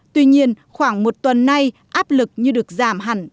tuy nhiên khoảng một tuần nay áp lực như được giảm hẳn